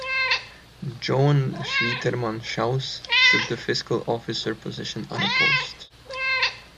Joan Schwieterman Shouse took the Fiscal Officer Position Unopposed.